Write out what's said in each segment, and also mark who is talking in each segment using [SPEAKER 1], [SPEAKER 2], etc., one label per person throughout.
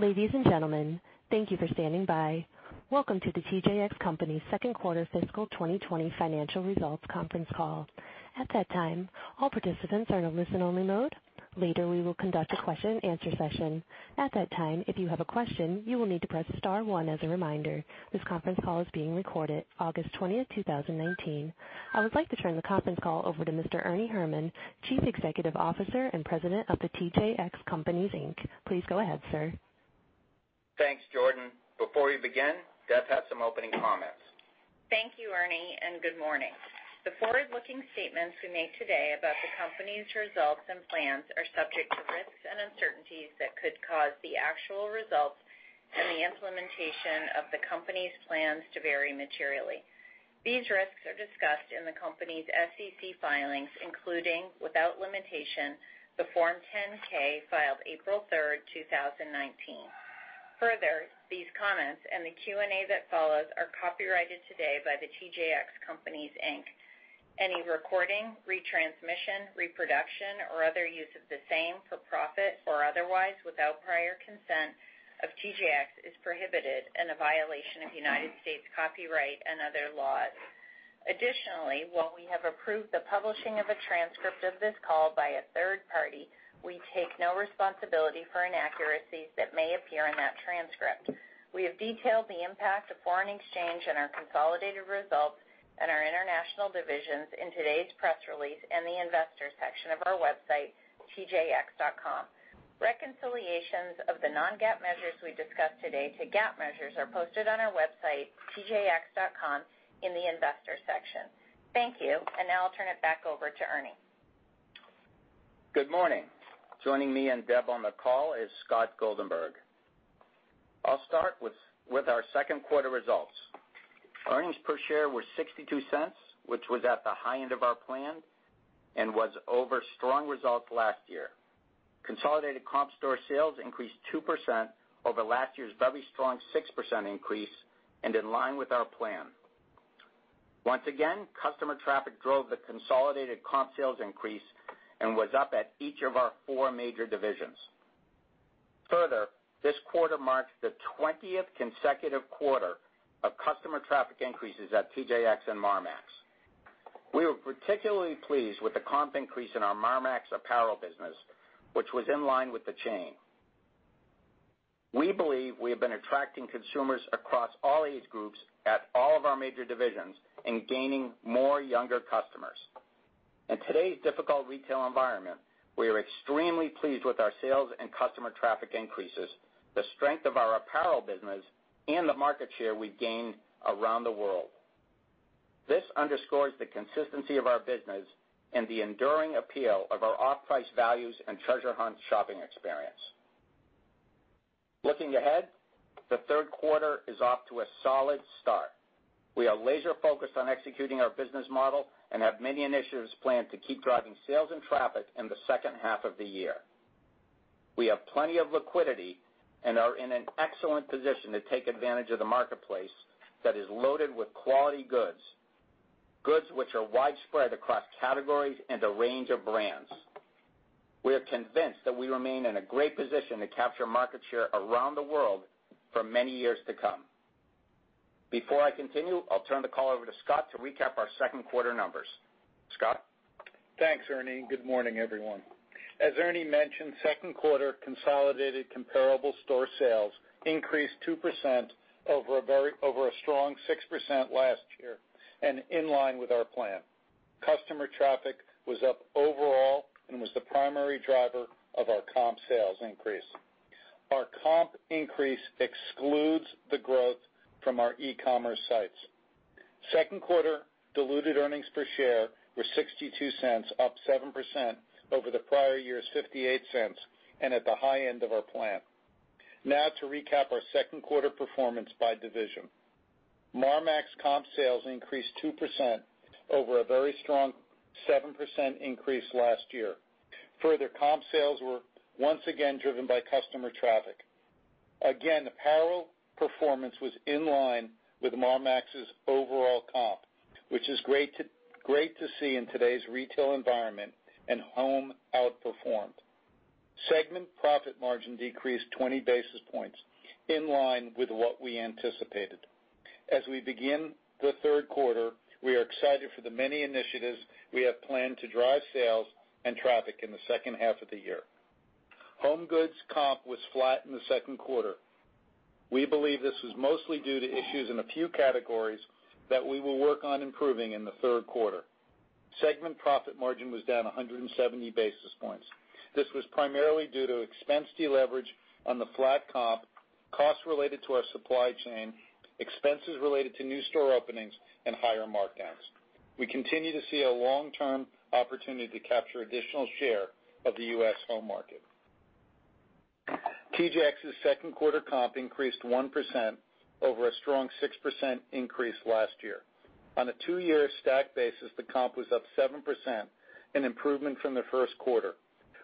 [SPEAKER 1] Ladies and gentlemen, thank you for standing by. Welcome to the TJX Companies' second quarter fiscal 2020 financial results conference call. At that time, all participants are in listen only mode. Later, we will conduct a question and answer session. At that time, if you have a question, you will need to press star one as a reminder. This conference call is being recorded August 20, 2019. I would like to turn the conference call over to Mr. Ernie Herrman, Chief Executive Officer and President of the TJX Companies, Inc. Please go ahead, sir.
[SPEAKER 2] Thanks, Jordan. Before we begin, Deb has some opening comments.
[SPEAKER 3] Thank you, Ernie, and good morning. The forward-looking statements we make today about the company's results and plans are subject to risks and uncertainties that could cause the actual results and the implementation of the company's plans to vary materially. These risks are discussed in the company's SEC filings, including, without limitation, the Form 10-K filed April 3rd, 2019. Further, these comments and the Q&A that follows are copyrighted today by The TJX Companies, Inc. Any recording, retransmission, reproduction, or other use of the same for profit or otherwise without prior consent of TJX is prohibited and a violation of United States copyright and other laws. Additionally, while we have approved the publishing of a transcript of this call by a third party, we take no responsibility for inaccuracies that may appear in that transcript. We have detailed the impact of foreign exchange in our consolidated results and our international divisions in today's press release in the investor section of our website, tjx.com. Reconciliations of the non-GAAP measures we discuss today to GAAP measures are posted on our website, tjx.com, in the investor section. Thank you. Now I'll turn it back over to Ernie.
[SPEAKER 2] Good morning. Joining me and Deb on the call is Scott Goldenberg. I'll start with our second quarter results. Earnings per share were $0.62, which was at the high end of our plan and was over strong results last year. Consolidated comp store sales increased 2% over last year's very strong 6% increase and in line with our plan. Once again, customer traffic drove the consolidated comp sales increase and was up at each of our four major divisions. Further, this quarter marks the 20th consecutive quarter of customer traffic increases at TJX and Marmaxx. We were particularly pleased with the comp increase in our Marmaxx apparel business, which was in line with the chain. We believe we have been attracting consumers across all age groups at all of our major divisions and gaining more younger customers. In today's difficult retail environment, we are extremely pleased with our sales and customer traffic increases, the strength of our apparel business, and the market share we've gained around the world. This underscores the consistency of our business and the enduring appeal of our off-price values and treasure hunt shopping experience. Looking ahead, the third quarter is off to a solid start. We are laser-focused on executing our business model and have many initiatives planned to keep driving sales and traffic in the second half of the year. We have plenty of liquidity and are in an excellent position to take advantage of the marketplace that is loaded with quality goods which are widespread across categories and a range of brands. We are convinced that we remain in a great position to capture market share around the world for many years to come. Before I continue, I'll turn the call over to Scott to recap our second quarter numbers. Scott?
[SPEAKER 4] Thanks, Ernie. Good morning, everyone. As Ernie mentioned, second quarter consolidated comparable store sales increased 2% over a strong 6% last year and in line with our plan. Customer traffic was up overall and was the primary driver of our comp sales increase. Our comp increase excludes the growth from our e-commerce sites. Second quarter diluted earnings per share were $0.62, up 7% over the prior year's $0.58 and at the high end of our plan. To recap our second quarter performance by division. Marmaxx comp sales increased 2% over a very strong 7% increase last year. Comp sales were once again driven by customer traffic. Apparel performance was in line with Marmaxx's overall comp, which is great to see in today's retail environment and home outperformed. Segment profit margin decreased 20 basis points, in line with what we anticipated. As we begin the third quarter, we are excited for the many initiatives we have planned to drive sales and traffic in the second half of the year. HomeGoods comp was flat in the second quarter. We believe this was mostly due to issues in a few categories that we will work on improving in the third quarter. Segment profit margin was down 170 basis points. This was primarily due to expense deleverage on the flat comp, costs related to our supply chain, expenses related to new store openings, and higher markdowns. We continue to see a long-term opportunity to capture additional share of the U.S. home market. TJX's second quarter comp increased 1% over a strong 6% increase last year. On a two-year stack basis, the comp was up 7%, an improvement from the first quarter.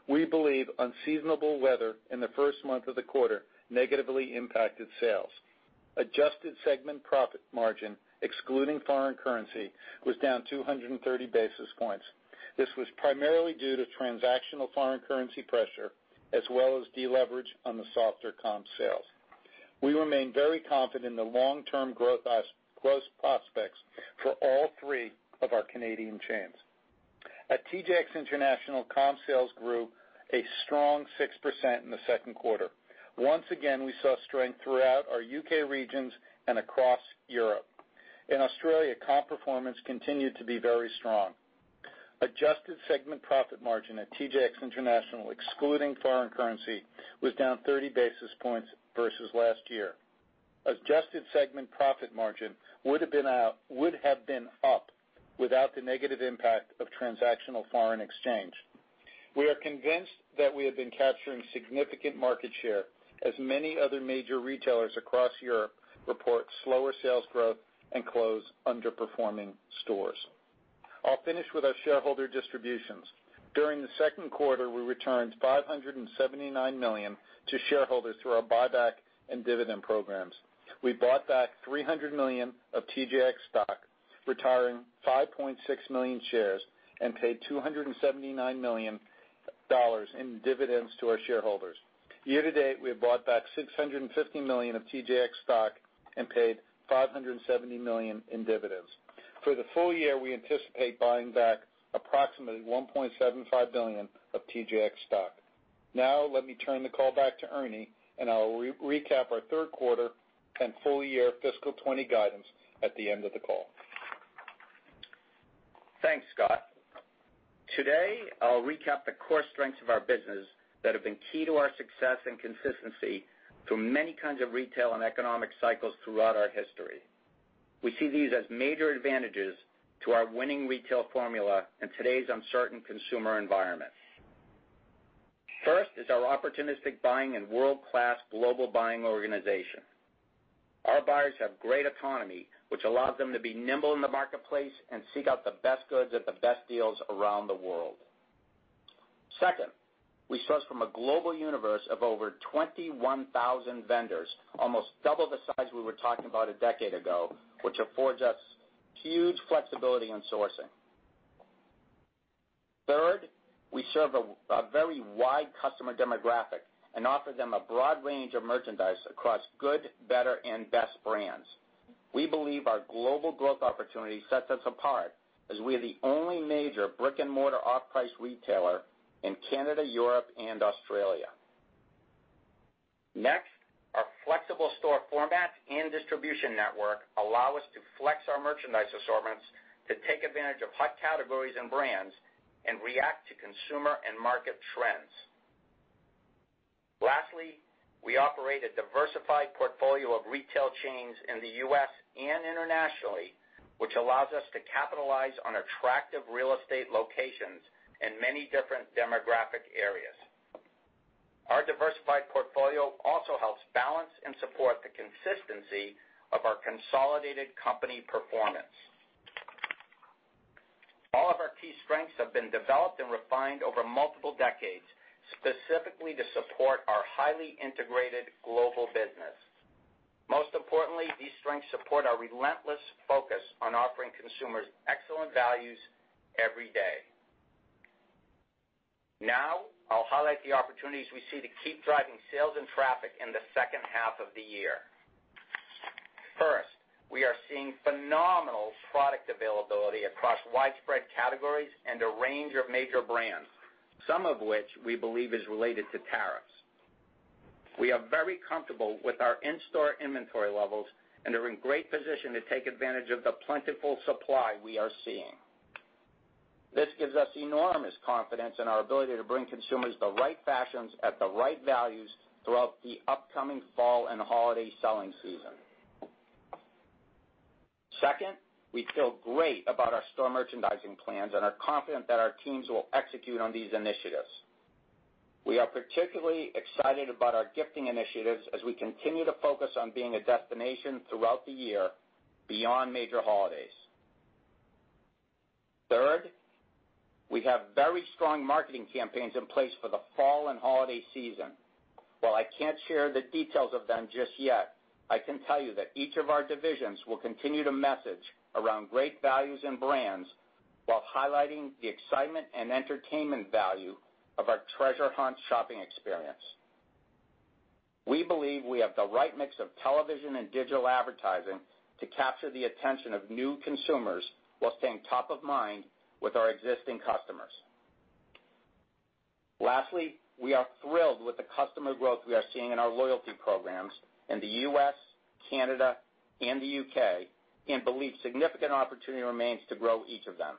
[SPEAKER 4] We believe unseasonable weather in the first month of the quarter negatively impacted sales. Adjusted segment profit margin, excluding foreign currency, was down 230 basis points. This was primarily due to transactional foreign currency pressure, as well as deleverage on the softer comp sales. We remain very confident in the long-term growth prospects for all three of our Canadian chains. At TJX International, comp sales grew a strong 6% in the second quarter. Once again, we saw strength throughout our U.K. regions and across Europe. In Australia, comp performance continued to be very strong. Adjusted segment profit margin at TJX International, excluding foreign currency, was down 30 basis points versus last year. Adjusted segment profit margin would have been up without the negative impact of transactional foreign exchange. We are convinced that we have been capturing significant market share, as many other major retailers across Europe report slower sales growth and close underperforming stores. I'll finish with our shareholder distributions. During the second quarter, we returned $579 million to shareholders through our buyback and dividend programs. We bought back $300 million of TJX stock, retiring 5.6 million shares, and paid $279 million in dividends to our shareholders. Year-to-date, we have bought back $650 million of TJX stock and paid $570 million in dividends. For the full year, we anticipate buying back approximately $1.75 billion of TJX stock. Now, let me turn the call back to Ernie, and I'll recap our third quarter and full-year fiscal 2020 guidance at the end of the call.
[SPEAKER 2] Thanks, Scott. Today, I'll recap the core strengths of our business that have been key to our success and consistency through many kinds of retail and economic cycles throughout our history. We see these as major advantages to our winning retail formula in today's uncertain consumer environment. First is our opportunistic buying and world-class global buying organization. Our buyers have great autonomy, which allows them to be nimble in the marketplace and seek out the best goods at the best deals around the world. Second, we source from a global universe of over 21,000 vendors, almost double the size we were talking about a decade ago, which affords us huge flexibility in sourcing. Third, we serve a very wide customer demographic and offer them a broad range of merchandise across good, better, and best brands. We believe our global growth opportunity sets us apart, as we are the only major brick-and-mortar off-price retailer in Canada, Europe, and Australia. Next, our flexible store format and distribution network allow us to flex our merchandise assortments to take advantage of hot categories and brands and react to consumer and market trends. Lastly, we operate a diversified portfolio of retail chains in the U.S. and internationally, which allows us to capitalize on attractive real estate locations in many different demographic areas. Our diversified portfolio also helps balance and support the consistency of our consolidated company performance. All of our key strengths have been developed and refined over multiple decades, specifically to support our highly integrated global business. Most importantly, these strengths support our relentless focus on offering consumers excellent values every day. I'll highlight the opportunities we see to keep driving sales and traffic in the second half of the year. First, we are seeing phenomenal product availability across widespread categories and a range of major brands, some of which we believe is related to tariffs. We are very comfortable with our in-store inventory levels and are in great position to take advantage of the plentiful supply we are seeing. This gives us enormous confidence in our ability to bring consumers the right fashions at the right values throughout the upcoming fall and holiday selling season. Second, we feel great about our store merchandising plans and are confident that our teams will execute on these initiatives. We are particularly excited about our gifting initiatives as we continue to focus on being a destination throughout the year, beyond major holidays. Third, we have very strong marketing campaigns in place for the fall and holiday season. While I can't share the details of them just yet, I can tell you that each of our divisions will continue to message around great values and brands while highlighting the excitement and entertainment value of our treasure hunt shopping experience. We believe we have the right mix of television and digital advertising to capture the attention of new consumers while staying top of mind with our existing customers. Lastly, we are thrilled with the customer growth we are seeing in our loyalty programs in the U.S., Canada, and the U.K., and believe significant opportunity remains to grow each of them.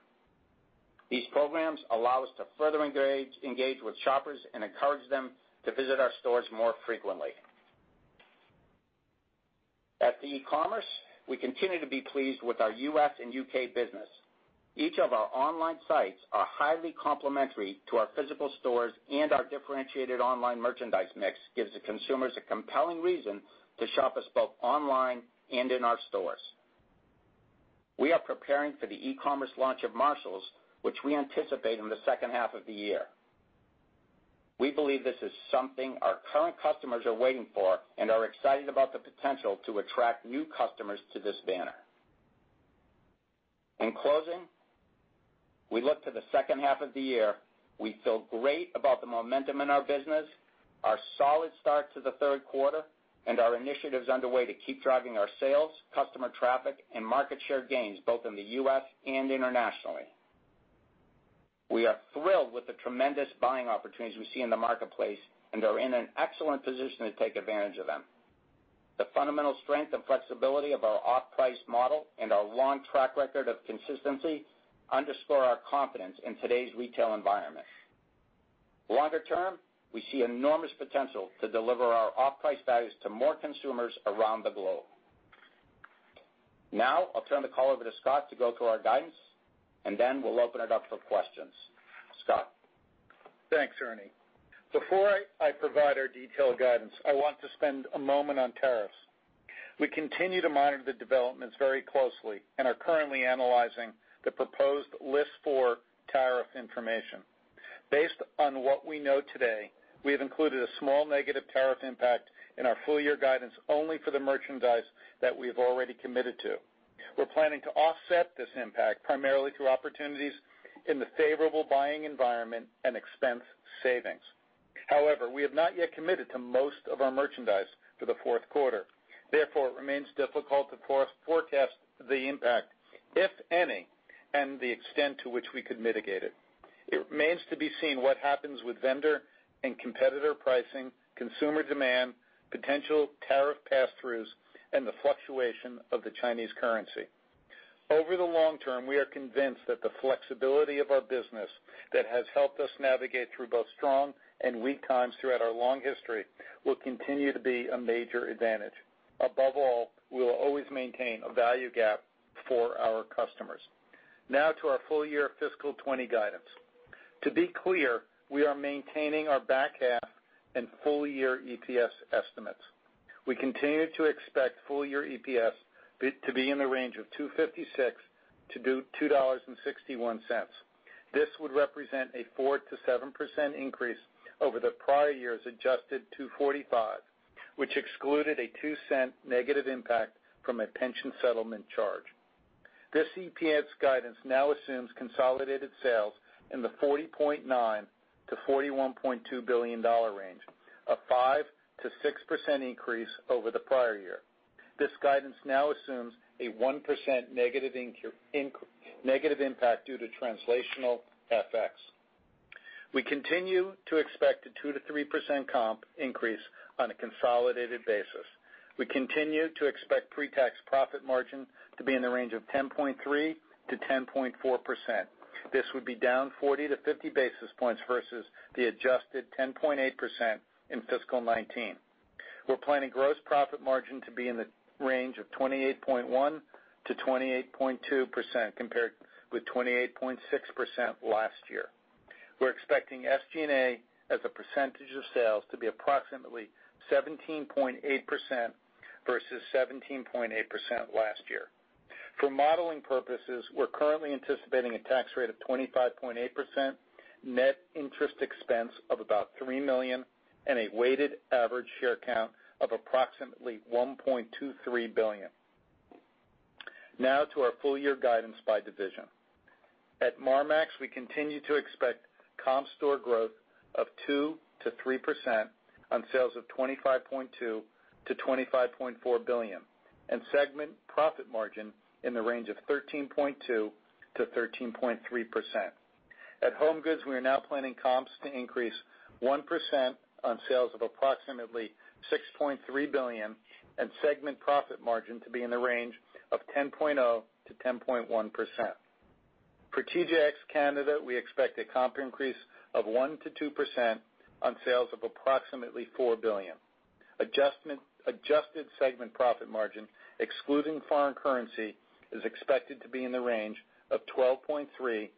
[SPEAKER 2] These programs allow us to further engage with shoppers and encourage them to visit our stores more frequently. At the e-commerce, we continue to be pleased with our U.S. and U.K. business. Each of our online sites are highly complementary to our physical stores, and our differentiated online merchandise mix gives the consumers a compelling reason to shop us both online and in our stores. We are preparing for the e-commerce launch of Marshalls, which we anticipate in the second half of the year. We believe this is something our current customers are waiting for and are excited about the potential to attract new customers to this banner. In closing, we look to the second half of the year. We feel great about the momentum in our business, our solid start to the third quarter, and our initiatives underway to keep driving our sales, customer traffic, and market share gains both in the U.S. and internationally. We are thrilled with the tremendous buying opportunities we see in the marketplace and are in an excellent position to take advantage of them. The fundamental strength and flexibility of our off-price model and our long track record of consistency underscore our confidence in today's retail environment. Longer term, we see enormous potential to deliver our off-price values to more consumers around the globe. I'll turn the call over to Scott to go through our guidance, and then we'll open it up for questions. Scott?
[SPEAKER 4] Thanks, Ernie. Before I provide our detailed guidance, I want to spend a moment on tariffs. We continue to monitor the developments very closely and are currently analyzing the proposed List 4 tariff information. Based on what we know today, we have included a small negative tariff impact in our full-year guidance only for the merchandise that we have already committed to. We're planning to offset this impact primarily through opportunities in the favorable buying environment and expense savings. However, we have not yet committed to most of our merchandise for the fourth quarter. Therefore, it remains difficult to forecast the impact, if any, and the extent to which we could mitigate it. It remains to be seen what happens with vendor and competitor pricing, consumer demand, potential tariff passthroughs, and the fluctuation of the Chinese currency. Over the long term, we are convinced that the flexibility of our business that has helped us navigate through both strong and weak times throughout our long history will continue to be a major advantage. Above all, we will always maintain a value gap for our customers. Now to our full-year fiscal 2020 guidance. To be clear, we are maintaining our back half and full year EPS estimates. We continue to expect full year EPS to be in the range of $2.56-$2.61. This would represent a 4%-7% increase over the prior year's adjusted $2.45, which excluded a $0.02 negative impact from a pension settlement charge. This EPS guidance now assumes consolidated sales in the $40.9 billion-$41.2 billion range, a 5%-6% increase over the prior year. This guidance now assumes a 1% negative impact due to translational FX. We continue to expect a 2%-3% comp increase on a consolidated basis. We continue to expect pre-tax profit margin to be in the range of 10.3%-10.4%. This would be down 40-50 basis points versus the adjusted 10.8% in fiscal 2019. We're planning gross profit margin to be in the range of 28.1%-28.2%, compared with 28.6% last year. We're expecting SG&A as a percentage of sales to be approximately 17.8% versus 17.8% last year. For modeling purposes, we're currently anticipating a tax rate of 25.8%, net interest expense of about $3 million, and a weighted average share count of approximately 1.23 billion. To our full year guidance by division. At Marmaxx, we continue to expect comp store growth of 2%-3% on sales of $25.2 billion-$25.4 billion and segment profit margin in the range of 13.2%-13.3%. At HomeGoods, we are now planning comps to increase 1% on sales of approximately $6.3 billion and segment profit margin to be in the range of 10.0%-10.1%. For TJX Canada, we expect a comp increase of 1%-2% on sales of approximately $4 billion. Adjusted segment profit margin, excluding foreign currency, is expected to be in the range of 12.3%-12.4%.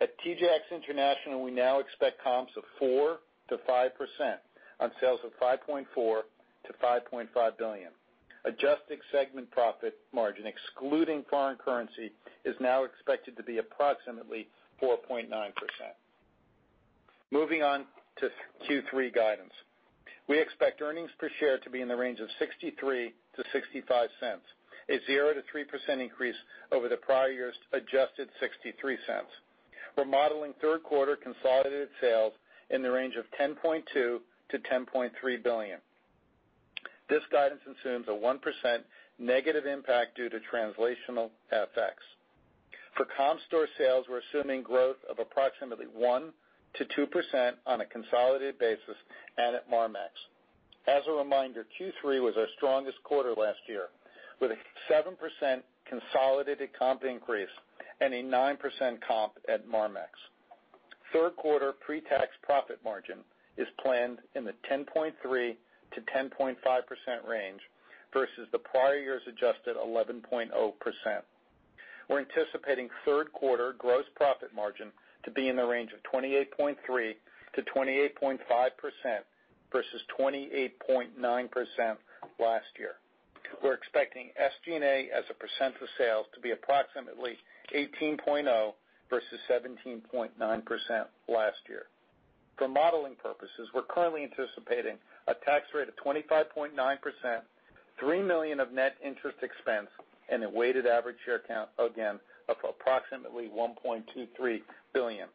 [SPEAKER 4] At TJX International, we now expect comps of 4%-5% on sales of $5.4 billion-$5.5 billion. Adjusted segment profit margin, excluding foreign currency, is now expected to be approximately 4.9%. Moving on to Q3 guidance. We expect earnings per share to be in the range of $0.63-$0.65, a 0%-3% increase over the prior year's adjusted $0.63. We're modeling third quarter consolidated sales in the range of $10.2 billion-$10.3 billion. This guidance assumes a 1% negative impact due to translational FX. For comp store sales, we're assuming growth of approximately 1%-2% on a consolidated basis and at Marmaxx. As a reminder, Q3 was our strongest quarter last year, with a 7% consolidated comp increase and a 9% comp at Marmaxx. Third quarter pre-tax profit margin is planned in the 10.3%-10.5% range versus the prior year's adjusted 11.0%. We're anticipating third quarter gross profit margin to be in the range of 28.3%-28.5% versus 28.9% last year. We're expecting SG&A as a percent of sales to be approximately 18.0% versus 17.9% last year. For modeling purposes, we're currently anticipating a tax rate of 25.9%, $3 million of net interest expense, and a weighted average share count, again, of approximately 1.23 billion.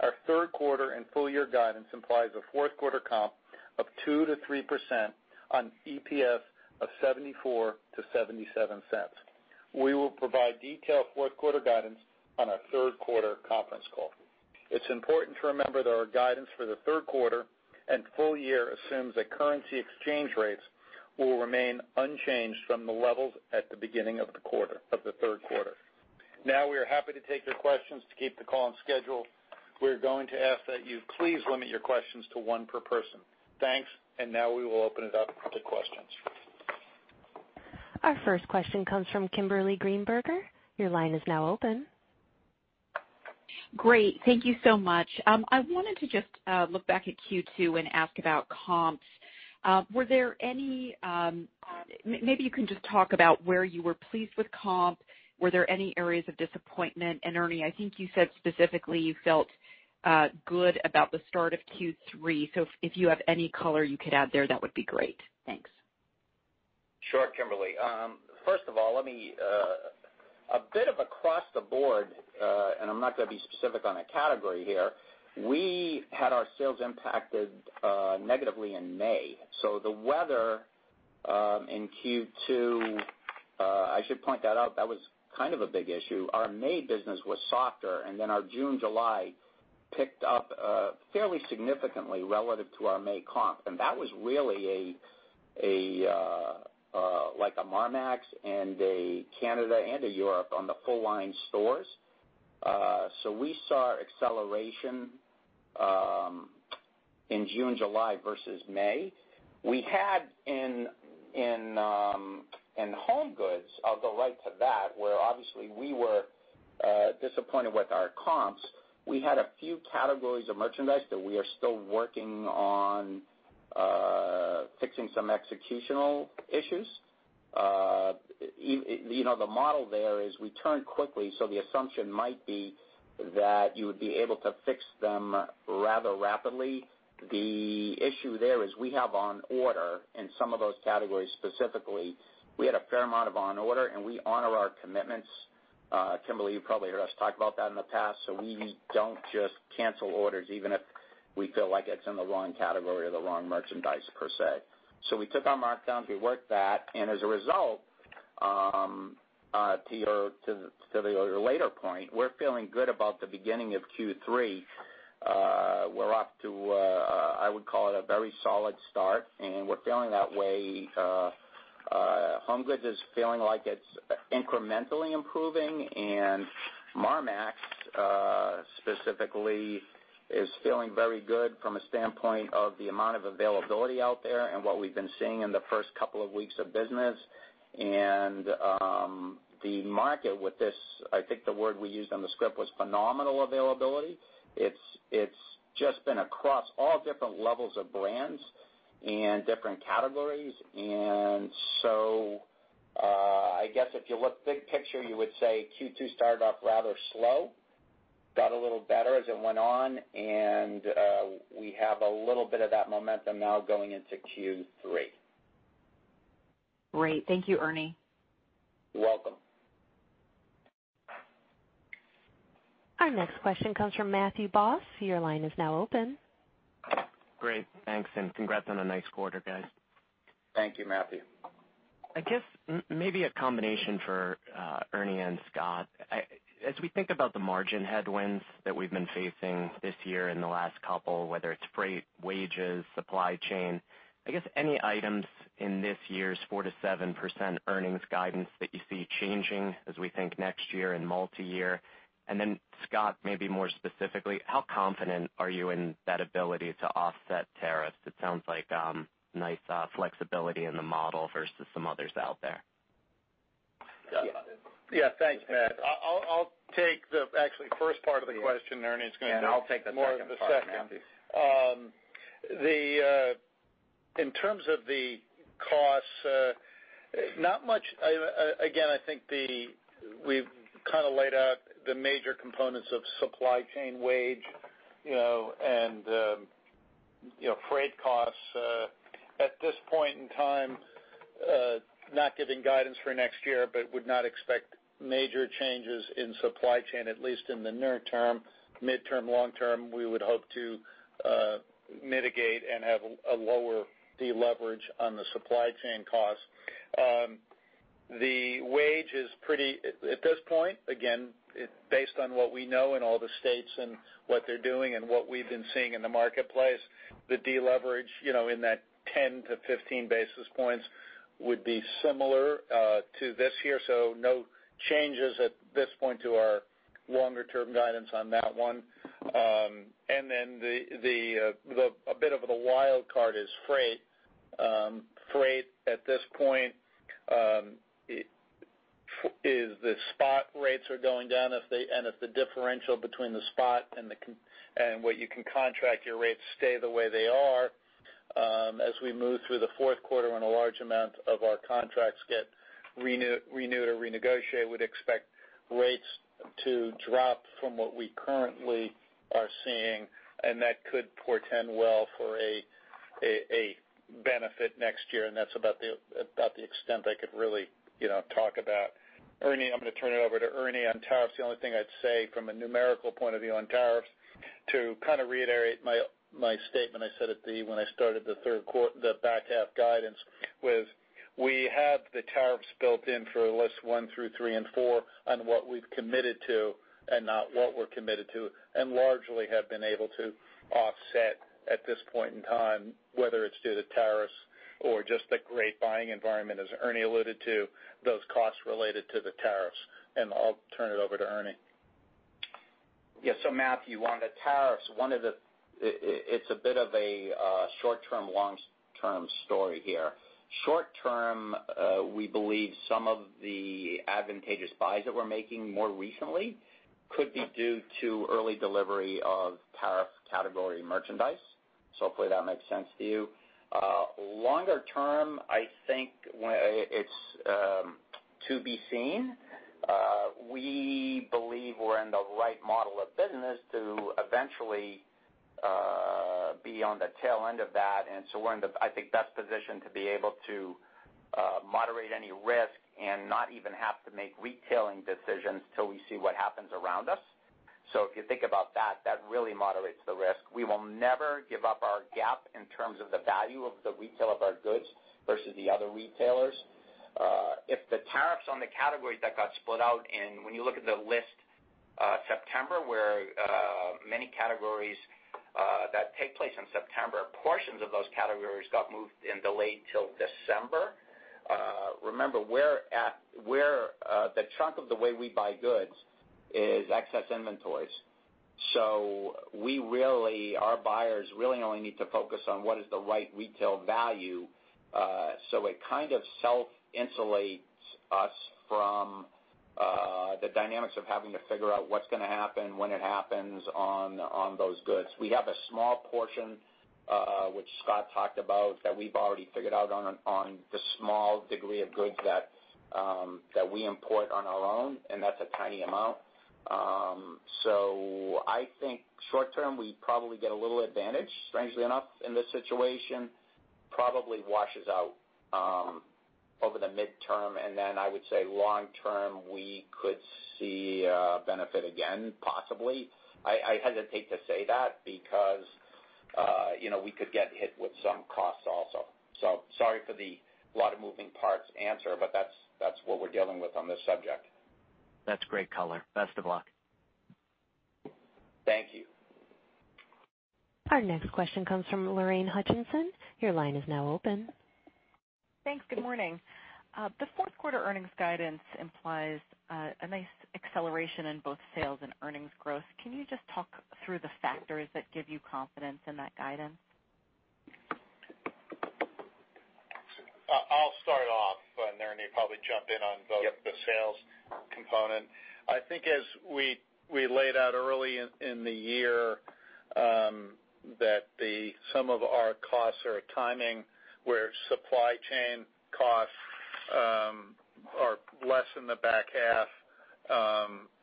[SPEAKER 4] Our third quarter and full year guidance implies a fourth quarter comp of 2%-3% on EPS of $0.74-$0.77. We will provide detailed fourth quarter guidance on our third quarter conference call. Now, we are happy to take your questions. It's important to remember that our guidance for the third quarter and full year assumes that currency exchange rates will remain unchanged from the levels at the beginning of the third quarter. To keep the call on schedule, we are going to ask that you please limit your questions to one per person. Thanks. Now we will open it up to questions.
[SPEAKER 1] Our first question comes from Kimberly Greenberger. Your line is now open.
[SPEAKER 5] Great. Thank you so much. I wanted to just look back at Q2 and ask about comps. Maybe you can just talk about where you were pleased with comp. Were there any areas of disappointment? Ernie, I think you said specifically you felt good about the start of Q3, so if you have any color you could add there, that would be great. Thanks.
[SPEAKER 2] Sure, Kimberly. First of all, a bit of across the board, and I'm not going to be specific on a category here, we had our sales impacted negatively in May. The weather in Q2, I should point that out, that was kind of a big issue. Our May business was softer, and then our June, July picked up fairly significantly relative to our May comp. That was really like a Marmaxx and a Canada and a Europe on the full line stores. We saw acceleration in June, July versus May. We had in HomeGoods, I'll go right to that, where obviously we were disappointed with our comps. We had a few categories of merchandise that we are still working on fixing some executional issues. The model there is we turn quickly, so the assumption might be that you would be able to fix them rather rapidly. The issue there is we have on order, in some of those categories specifically, we had a fair amount of on order, and we honor our commitments. Kimberly, you probably heard us talk about that in the past. We don't just cancel orders even if we feel like it's in the wrong category or the wrong merchandise, per se. We took our markdowns, we worked that, and as a result, to your later point, we're feeling good about the beginning of Q3. We're off to, I would call it, a very solid start, and we're feeling that way. HomeGoods is feeling like it's incrementally improving, and Marmaxx specifically is feeling very good from a standpoint of the amount of availability out there and what we've been seeing in the first couple of weeks of business. The market with this, I think the word we used on the script was phenomenal availability. It's just been across all different levels of brands and different categories. I guess if you look big picture, you would say Q2 started off rather slow, got a little better as it went on, and we have a little bit of that momentum now going into Q3.
[SPEAKER 5] Great. Thank you, Ernie.
[SPEAKER 2] You're welcome.
[SPEAKER 1] Our next question comes from Matthew Boss. Your line is now open.
[SPEAKER 6] Great. Thanks, and congrats on a nice quarter, guys.
[SPEAKER 2] Thank you, Matthew.
[SPEAKER 6] Maybe a combination for Ernie and Scott. As we think about the margin headwinds that we've been facing this year and the last couple, whether it's freight, wages, supply chain, I guess any items in this year's 4%-7% earnings guidance that you see changing as we think next year and multi-year? Scott, maybe more specifically, how confident are you in that ability to offset tariffs? It sounds like nice flexibility in the model versus some others out there.
[SPEAKER 4] Yeah. Thanks, Matt. I'll take the actually first part of the question, and Ernie's gonna do more of the second.
[SPEAKER 2] I'll take the second part, Matthew.
[SPEAKER 4] In terms of the costs, again, I think we've kind of laid out the major components of supply chain, wage, and freight costs. At this point in time, not giving guidance for next year, would not expect major changes in supply chain, at least in the near term. Midterm, long term, we would hope to mitigate and have a lower deleverage on the supply chain costs. The wage is pretty, at this point, again, based on what we know in all the states and what they're doing and what we've been seeing in the marketplace, the deleverage in that 10 to 15 basis points would be similar to this year. No changes at this point to our longer-term guidance on that one. A bit of the wild card is freight. Freight, at this point. If the spot rates are going down and if the differential between the spot and what you can contract your rates stay the way they are as we move through the fourth quarter and a large amount of our contracts get renewed or renegotiated, we'd expect rates to drop from what we currently are seeing, and that could portend well for a benefit next year. That's about the extent I could really talk about. Ernie, I'm going to turn it over to Ernie on tariffs. The only thing I'd say from a numerical point of view on tariffs, to kind of reiterate my statement I said when I started the back half guidance, was we have the tariffs built in for List 1 through 3 and 4 on what we've committed to and not what we're committed to, and largely have been able to offset at this point in time, whether it's due to tariffs or just the great buying environment, as Ernie alluded to, those costs related to the tariffs. I'll turn it over to Ernie.
[SPEAKER 2] Yes. Matthew, on the tariffs, it's a bit of a short-term, long-term story here. Short term, we believe some of the advantageous buys that we're making more recently could be due to early delivery of tariff category merchandise. Hopefully that makes sense to you. Longer term, I think it's to be seen. We believe we're in the right model of business to eventually be on the tail end of that, we're in the, I think, best position to be able to moderate any risk and not even have to make retailing decisions till we see what happens around us. If you think about that really moderates the risk. We will never give up our GAAP in terms of the value of the retail of our goods versus the other retailers. If the tariffs on the categories that got split out and when you look at the list, September, where many categories that take place in September, portions of those categories got moved and delayed till December. Remember, the chunk of the way we buy goods is excess inventories. Our buyers really only need to focus on what is the right retail value. It kind of self-insulates us from the dynamics of having to figure out what's gonna happen, when it happens on those goods. We have a small portion, which Scott talked about, that we've already figured out on the small degree of goods that we import on our own, and that's a tiny amount. I think short term, we probably get a little advantage, strangely enough, in this situation. Probably washes out over the midterm, and then I would say long term, we could see a benefit again, possibly. I hesitate to say that because we could get hit with some costs also. Sorry for the lot of moving parts answer, but that's what we're dealing with on this subject.
[SPEAKER 6] That's great color. Best of luck.
[SPEAKER 2] Thank you.
[SPEAKER 1] Our next question comes from Lorraine Hutchinson. Your line is now open.
[SPEAKER 7] Thanks. Good morning. The fourth quarter earnings guidance implies a nice acceleration in both sales and earnings growth. Can you just talk through the factors that give you confidence in that guidance?
[SPEAKER 4] I'll start off, and then Ernie, probably jump in on both.
[SPEAKER 2] Yep
[SPEAKER 4] the sales component. I think as we laid out early in the year, that the sum of our costs are timing, where supply chain costs are less in the back half,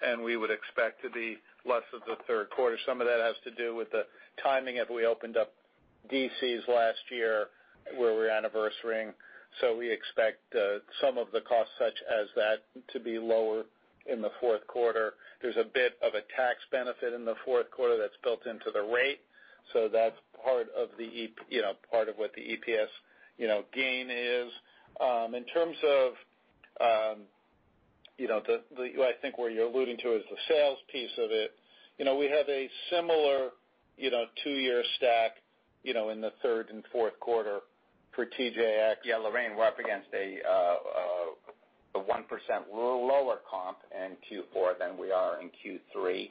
[SPEAKER 4] and we would expect to be less of the third quarter. Some of that has to do with the timing of we opened up DCs last year, where we're anniversarying. We expect some of the costs such as that to be lower in the fourth quarter. There's a bit of a tax benefit in the fourth quarter that's built into the rate. That's part of what the EPS gain is. In terms of, I think where you're alluding to is the sales piece of it. We have a similar 2-year stack in the third and fourth quarter for TJX.
[SPEAKER 2] Yeah, Lorraine, we're up against a 1% lower comp in Q4 than we are in Q3.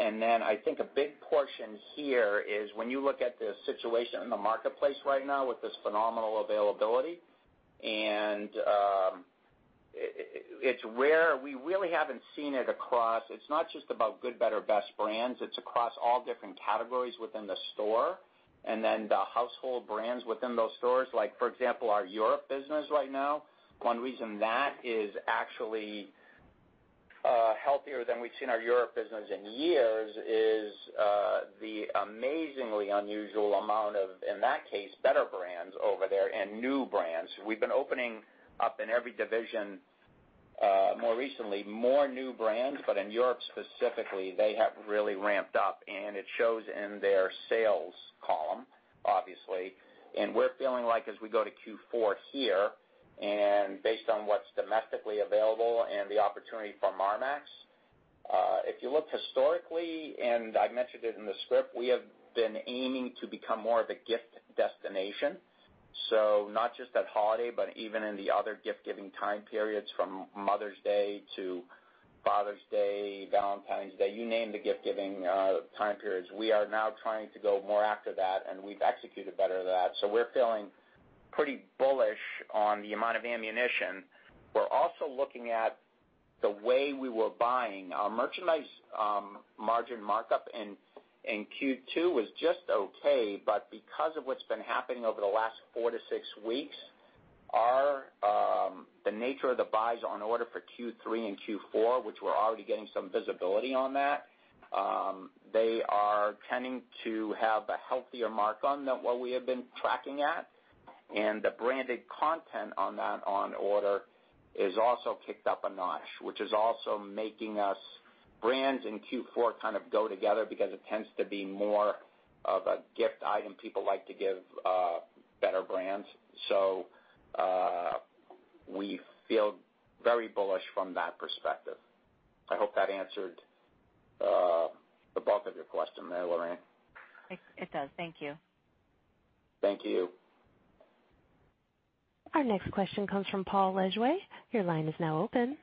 [SPEAKER 2] I think a big portion here is when you look at the situation in the marketplace right now with this phenomenal availability, and it's rare. We really haven't seen it across It's not just about good, better, best brands, it's across all different categories within the store. The household brands within those stores, like for example, our Europe business right now. One reason that is actually healthier than we've seen our Europe business in years is the amazingly unusual amount of, in that case, better brands over there and new brands. We've been opening up in every division, more recently, more new brands, in Europe specifically, they have really ramped up and it shows in their sales column, obviously. We're feeling like as we go to Q4 here and based on what's domestically available and the opportunity for Marmaxx, if you look historically, and I mentioned it in the script, we have been aiming to become more of a gift destination. Not just at holiday, but even in the other gift-giving time periods from Mother's Day to. Father's Day, Valentine's Day, you name the gift-giving time periods. We are now trying to go more after that, and we've executed better at that. We're feeling pretty bullish on the amount of ammunition. We're also looking at the way we were buying. Our merchandise margin markup in Q2 was just okay, but because of what's been happening over the last four to six weeks, the nature of the buys on order for Q3 and Q4, which we're already getting some visibility on that, they are tending to have a healthier mark on than what we have been tracking at. The branded content on that on order is also kicked up a notch. Brands in Q4 kind of go together because it tends to be more of a gift item. People like to give better brands. We feel very bullish from that perspective. I hope that answered the bulk of your question there, Lorraine.
[SPEAKER 7] It does. Thank you.
[SPEAKER 2] Thank you.
[SPEAKER 1] Our next question comes from Paul Lejuez. Your line is now open.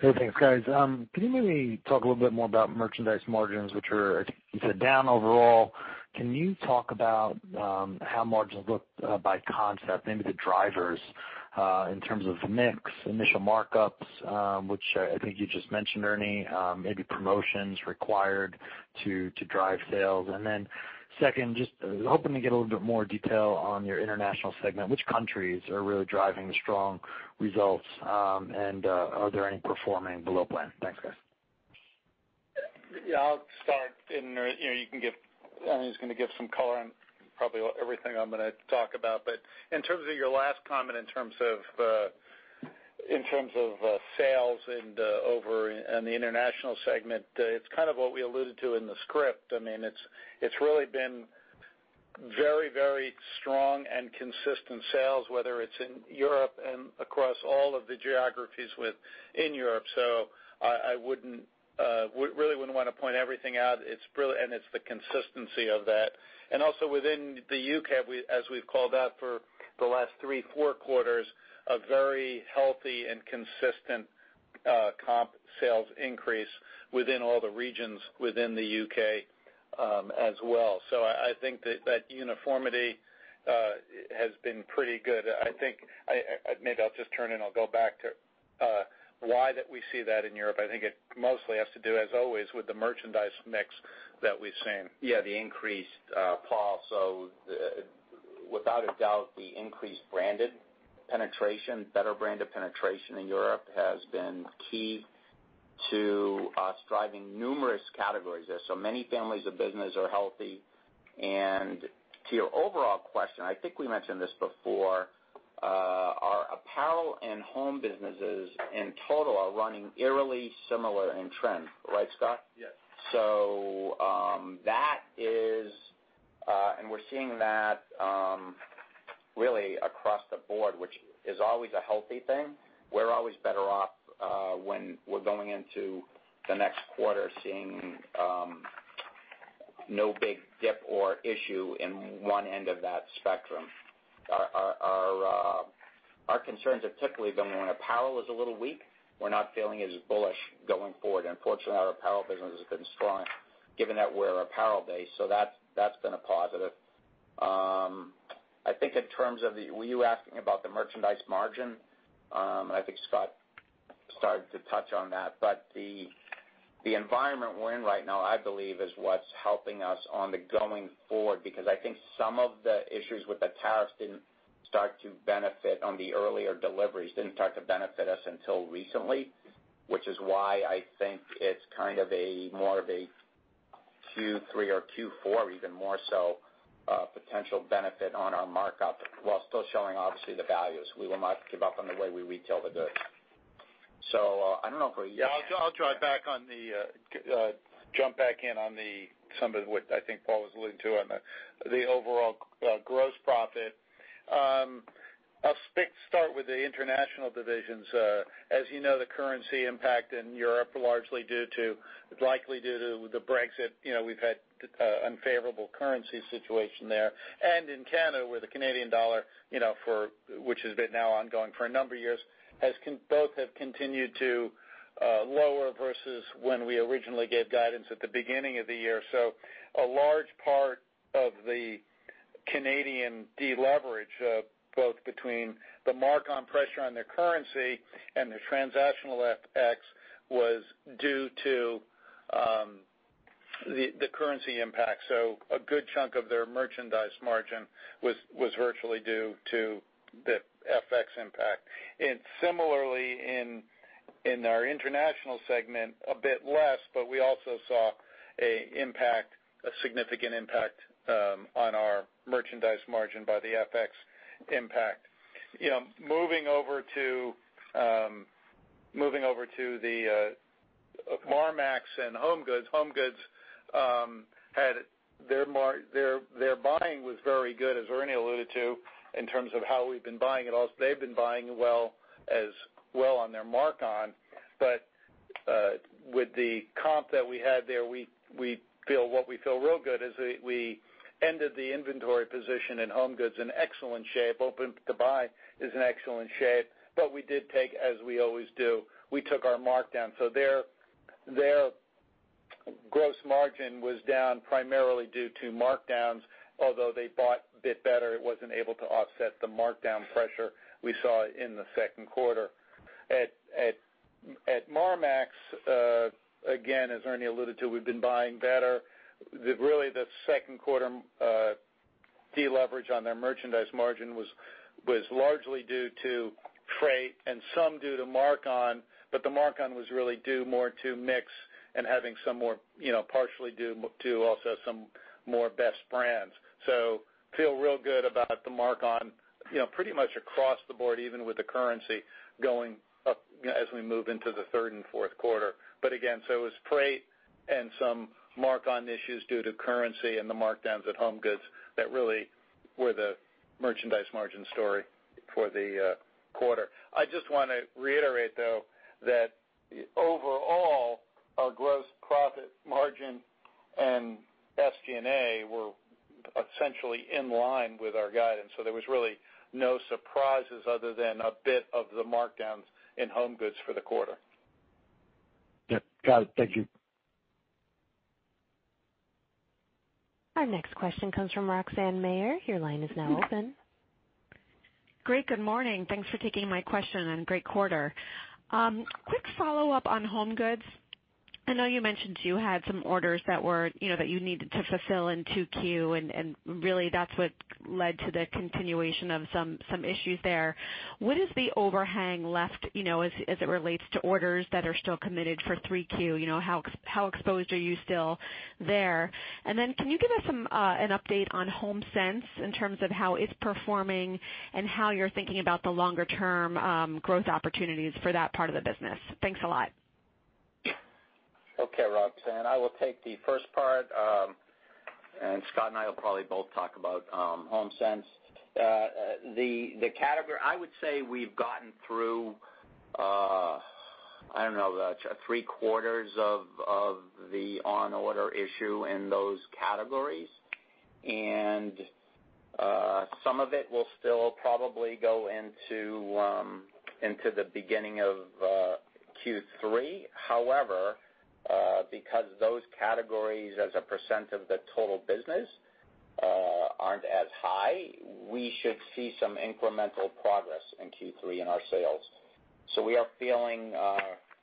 [SPEAKER 8] Hey, thanks, guys. Can you maybe talk a little bit more about merchandise margins, which are, I think you said, down overall. Can you talk about how margins look by concept, maybe the drivers, in terms of mix, initial markups, which I think you just mentioned, Ernie, maybe promotions required to drive sales. Second, just hoping to get a little bit more detail on your international segment. Which countries are really driving the strong results, and are there any performing below plan? Thanks, guys.
[SPEAKER 4] Yeah, I'll start. Ernie's gonna give some color on probably everything I'm gonna talk about. In terms of your last comment, in terms of sales and over in the international segment, it's kind of what we alluded to in the script. It's really been very strong and consistent sales, whether it's in Europe and across all of the geographies within Europe. I really wouldn't want to point everything out. It's the consistency of that. Also within the U.K., as we've called out for the last three, four quarters, a very healthy and consistent comp sales increase within all the regions within the U.K. as well. I think that that uniformity has been pretty good. Maybe I'll just turn and I'll go back to why that we see that in Europe. I think it mostly has to do, as always, with the merchandise mix that we've seen.
[SPEAKER 2] Yeah, the increase, Paul. Without a doubt, the increased branded penetration, better brand of penetration in Europe, has been key to us driving numerous categories there. Many families of business are healthy. To your overall question, I think we mentioned this before, our apparel and home businesses in total are running eerily similar in trend, right, Scott?
[SPEAKER 4] Yes.
[SPEAKER 2] We're seeing that really across the board, which is always a healthy thing. We're always better off when we're going into the next quarter seeing no big dip or issue in one end of that spectrum. Our concerns have typically been when apparel is a little weak, we're not feeling as bullish going forward. Fortunately, our apparel business has been strong, given that we're apparel-based, so that's been a positive. Were you asking about the merchandise margin? I think Scott started to touch on that. The environment we're in right now, I believe, is what's helping us on the going forward, because I think some of the issues with the tariffs didn't start to benefit on the earlier deliveries, didn't start to benefit us until recently, which is why I think it's kind of more of a Q3 or Q4, even more so, potential benefit on our markup while still showing, obviously, the values. We will not give up on the way we retail the goods. I don't know if.
[SPEAKER 4] I'll jump back in on some of what I think Paul was alluding to on the overall gross profit. I'll start with the international divisions. As you know, the currency impact in Europe, likely due to the Brexit, we've had unfavorable currency situation there. In Canada, where the Canadian dollar, which has been now ongoing for a number of years, both have continued to lower versus when we originally gave guidance at the beginning of the year. A large part of the Canadian deleverage, both between the mark-on pressure on their currency and their transactional FX, was due to the currency impact. A good chunk of their merchandise margin was virtually due to the FX impact. Similarly, in our international segment, a bit less, but we also saw a significant impact on our merchandise margin by the FX impact. Moving over to Marmaxx and HomeGoods. HomeGoods, their buying was very good, as Ernie alluded to, in terms of how we've been buying. Also, they've been buying well as well on their mark-on. With the comp that we had there, what we feel real good is that we ended the inventory position in HomeGoods in excellent shape. Open to buy is in excellent shape. We did take, as we always do, we took our markdown. Their gross margin was down primarily due to markdowns. Although they bought a bit better, it wasn't able to offset the markdown pressure we saw in the second quarter. At Marmaxx, again, as Ernie alluded to, we've been buying better. Really, the second quarter deleverage on their merchandise margin was largely due to freight and some due to mark-on, but the mark-on was really due more to mix and having some more, partially due to also some more best brands. Feel real good about the mark-on, pretty much across the board, even with the currency going up as we move into the third and fourth quarter. Again, so it was freight and some mark-on issues due to currency and the markdowns at HomeGoods that really were the merchandise margin story for the quarter. I just want to reiterate, though, that overall, our gross profit margin and SG&A were essentially in line with our guidance. There was really no surprises other than a bit of the markdowns in HomeGoods for the quarter. Yeah. Got it. Thank you.
[SPEAKER 1] Our next question comes from Roxanne Meyer. Your line is now open.
[SPEAKER 9] Great. Good morning. Thanks for taking my question. Great quarter. Quick follow-up on HomeGoods. I know you mentioned you had some orders that you needed to fulfill in 2Q. Really that's what led to the continuation of some issues there. What is the overhang left, as it relates to orders that are still committed for 3Q? How exposed are you still there? Then can you give us an update on Homesense in terms of how it's performing and how you're thinking about the longer-term growth opportunities for that part of the business? Thanks a lot.
[SPEAKER 2] Okay, Roxanne. I will take the first part. Scott and I will probably both talk about Homesense. The category, I would say we've gotten through, I don't know, about three-quarters of the on-order issue in those categories. Some of it will still probably go into the beginning of Q3. However, because those categories as a % of the total business aren't as high, we should see some incremental progress in Q3 in our sales. We are feeling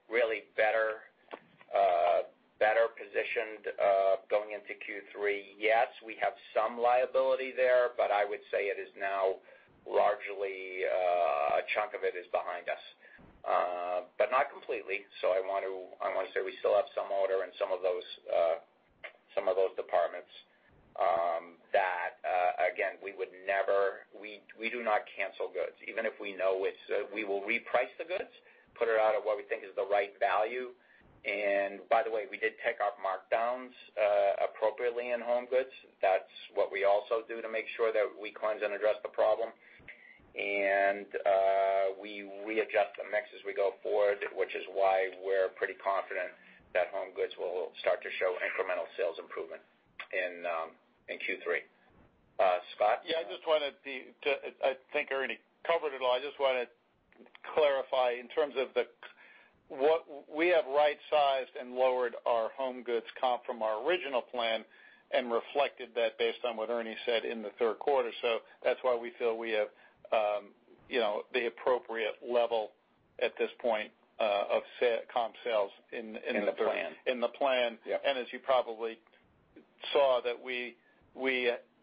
[SPEAKER 2] really better positioned going into Q3. Yes, we have some liability there, but I would say it is now largely a chunk of it is behind us. Not completely. I want to say we still have some order in some of those departments that, again, we do not cancel goods. Even if we know, we will reprice the goods, put it out at what we think is the right value. By the way, we did take our markdowns appropriately in HomeGoods. That's what we also do to make sure that we cleanse and address the problem. We adjust the mix as we go forward, which is why we're pretty confident that HomeGoods will start to show incremental sales improvement in Q3. Scott?
[SPEAKER 4] Yeah, I think Ernie covered it all. I just want to clarify in terms of what we have right-sized and lowered our HomeGoods comp from our original plan and reflected that based on what Ernie said in the third quarter. That's why we feel we have the appropriate level at this point of comp sales in the plan.
[SPEAKER 2] Yep.
[SPEAKER 4] As you probably saw that we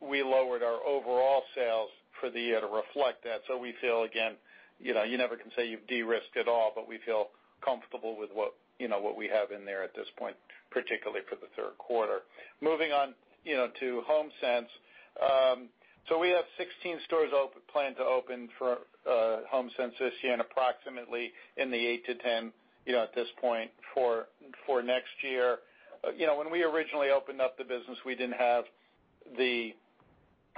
[SPEAKER 4] lowered our overall sales for the year to reflect that. We feel, again, you never can say you've de-risked it all, but we feel comfortable with what we have in there at this point, particularly for the third quarter. Moving on to Homesense. We have 16 stores planned to open for Homesense this year and approximately in the eight to 10 at this point for next year. When we originally opened up the business, we didn't have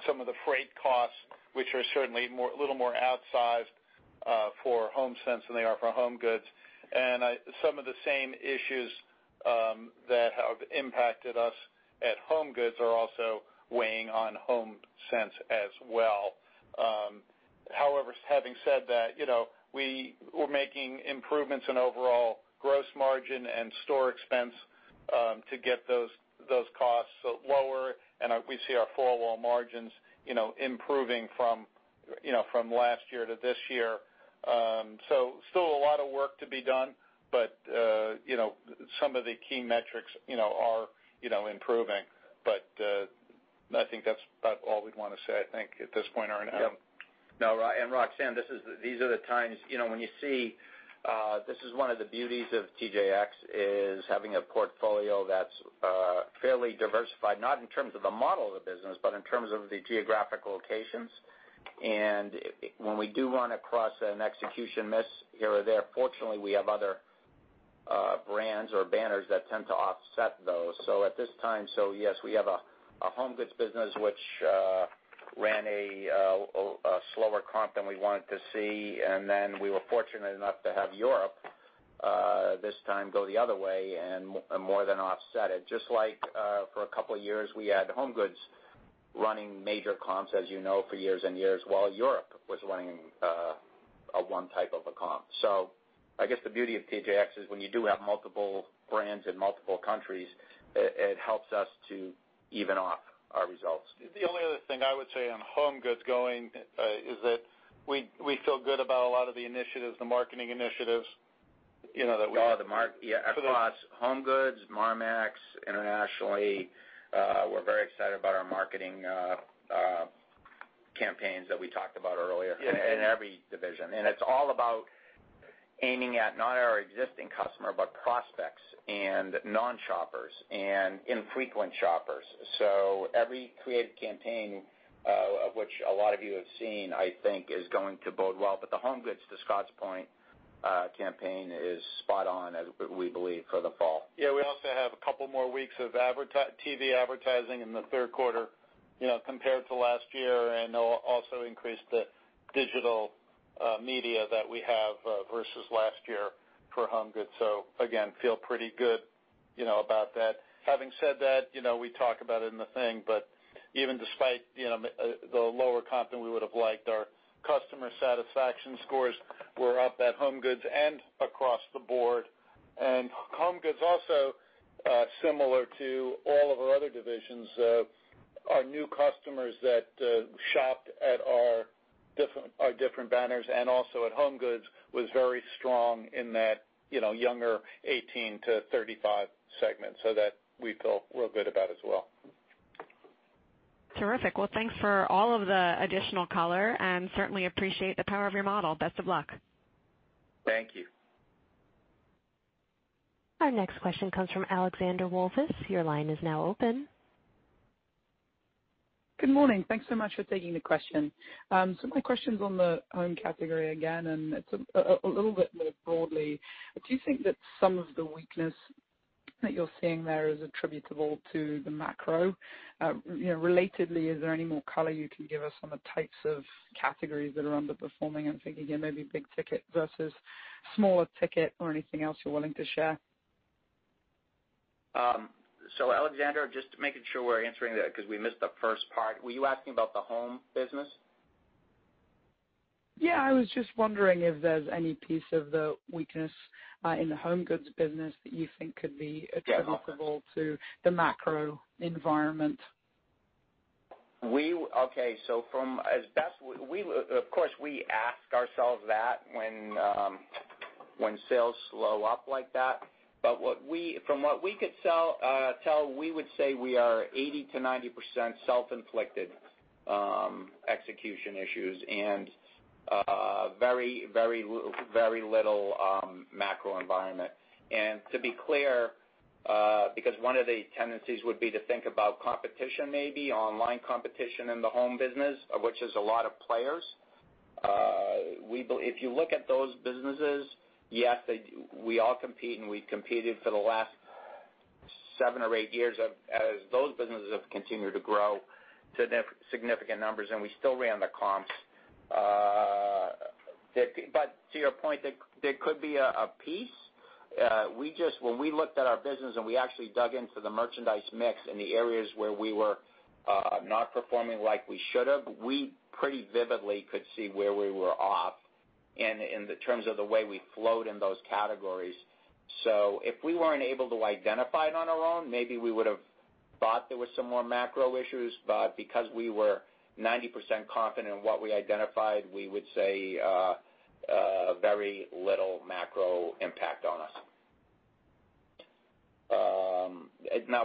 [SPEAKER 4] some of the freight costs, which are certainly a little more outsized for Homesense than they are for HomeGoods. Some of the same issues that have impacted us at HomeGoods are also weighing on Homesense as well. However, having said that, we're making improvements in overall gross margin and store expense to get those costs lower, and we see our four-wall margins improving from last year to this year. Still a lot of work to be done, but some of the key metrics are improving. I think that's about all we'd want to say, I think, at this point, Ernie.
[SPEAKER 2] Yep. No, Roxanne, these are the times when you see this is one of the beauties of TJX is having a portfolio that's fairly diversified, not in terms of the model of the business, but in terms of the geographic locations. When we do run across an execution miss here or there, fortunately, we have other brands or banners that tend to offset those. At this time, so yes, we have a HomeGoods business which Ran a slower comp than we wanted to see, and then we were fortunate enough to have Europe, this time, go the other way and more than offset it. Just like for a couple years, we had HomeGoods running major comps, as you know, for years and years while Europe was running one type of a comp. I guess the beauty of TJX is when you do have multiple brands in multiple countries, it helps us to even off our results.
[SPEAKER 4] The only other thing I would say on HomeGoods going is that we feel good about a lot of the initiatives, the marketing initiatives.
[SPEAKER 2] Yeah. Across HomeGoods, Marmaxx, internationally, we're very excited about our marketing campaigns that we talked about earlier in every division. It's all about aiming at not our existing customer, but prospects and non-shoppers and infrequent shoppers. Every creative campaign, of which a lot of you have seen, I think is going to bode well. The HomeGoods to Scott's Point campaign is spot on, as we believe, for the fall.
[SPEAKER 4] Yeah. We also have a couple more weeks of TV advertising in the third quarter compared to last year, and they'll also increase the digital media that we have versus last year for HomeGoods. Again, feel pretty good about that. Having said that, we talk about it in the thing, but even despite the lower comp than we would have liked, our customer satisfaction scores were up at HomeGoods and across the board. HomeGoods also, similar to all of our other divisions, our new customers that shopped at our different banners and also at HomeGoods was very strong in that younger 18-35 segment. That we feel real good about as well.
[SPEAKER 9] Terrific. Well, thanks for all of the additional color, and certainly appreciate the power of your model. Best of luck.
[SPEAKER 4] Thank you.
[SPEAKER 1] Our next question comes from Alexandra Walvis. Your line is now open.
[SPEAKER 10] Good morning. Thanks so much for taking the question. My question's on the home category again, and it's a little bit more broadly. Do you think that some of the weakness that you're seeing there is attributable to the macro? Relatedly, is there any more color you can give us on the types of categories that are underperforming and thinking maybe big ticket versus smaller ticket or anything else you're willing to share?
[SPEAKER 2] Alexandra, just making sure we're answering that because we missed the first part. Were you asking about the home business?
[SPEAKER 10] I was just wondering if there's any piece of the weakness in the HomeGoods business that you think could be attributable to the macro environment?
[SPEAKER 2] Okay. Of course, we ask ourselves that when sales slow up like that. From what we could tell, we would say we are 80%-90% self-inflicted execution issues and very little macro environment. To be clear, because one of the tendencies would be to think about competition, maybe online competition in the home business, of which there's a lot of players. If you look at those businesses, yes, we all compete, and we competed for the last seven or eight years as those businesses have continued to grow to significant numbers, and we still ran the comps. To your point, there could be a piece. When we looked at our business and we actually dug into the merchandise mix in the areas where we were not performing like we should have, we pretty vividly could see where we were off in the terms of the way we flowed in those categories. If we weren't able to identify it on our own, maybe we would have thought there was some more macro issues. Because we were 90% confident in what we identified, we would say very little macro impact on us.